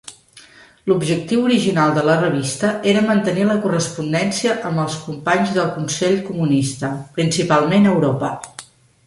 L'objectiu original de la revista era mantenir la correspondència amb els companys del consell comunista, principalment a Europa.